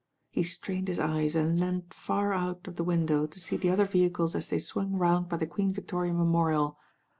He strained his eyes and leaned far out of the window to see the other vehicles as they swung round by the Queen Victoria Memorial.